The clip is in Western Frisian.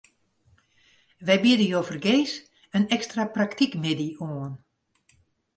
Wy biede jo fergees in ekstra praktykmiddei oan.